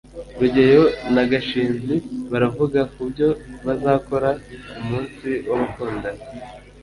rugeyo na gashinzi baravuga kubyo bazakora kumunsi w'abakundana